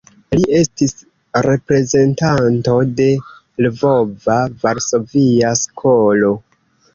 Li estis reprezentanto de Lvova-Varsovia skolo.